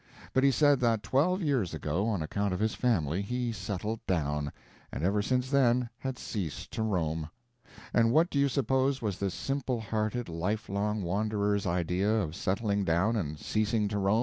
But he said that twelve years ago, on account of his family, he "settled down," and ever since then had ceased to roam. And what do you suppose was this simple hearted, lifelong wanderer's idea of settling down and ceasing to roam?